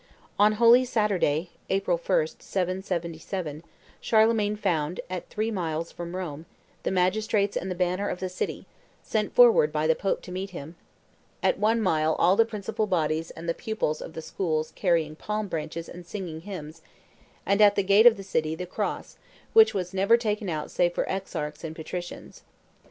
On Holy Saturday, April 1, 774, Charlemagne found, at three miles from Rome, the magistrates and the banner of the city, sent forward by the Pope to meet him; at one mile all the municipal bodies and the pupils of the schools carrying palm branches and singing hymns; and at the gate of the city, the cross, which was never taken out save for exarchs and patricians.